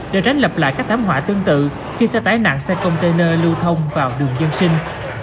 để tránh lập lại các thảm họa tương tự khi xe tải nặng xe container lưu thông vào đường dân sinh